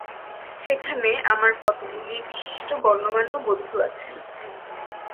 সেখানে আমার কতকগুলি বিশিষ্ট গণ্যমান্য বন্ধু আছেন।